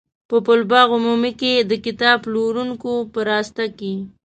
په پل باغ عمومي کې د کتاب پلورونکو په راسته کې.